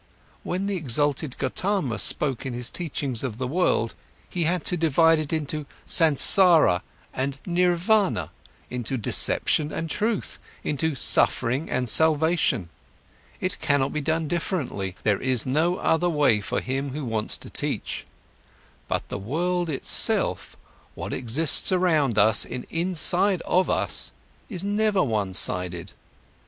When the exalted Gotama spoke in his teachings of the world, he had to divide it into Sansara and Nirvana, into deception and truth, into suffering and salvation. It cannot be done differently, there is no other way for him who wants to teach. But the world itself, what exists around us and inside of us, is never one sided.